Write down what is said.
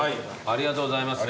ありがとうございます。